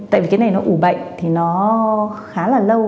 tại vì cái này nó ủ bệnh thì nó khá là lâu